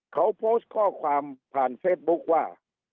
เขาโพสต์ข้อความผ่านเฟซบุ๊คว่า